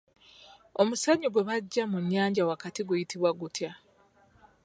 Omusenyu gwe baggye mu nnyanja wakati guyitibwa gutya?